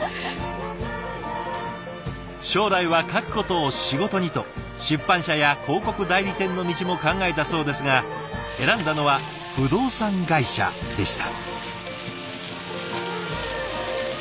「将来は書くことを仕事に！」と出版社や広告代理店の道も考えたそうですが選んだのは不動産会社でした。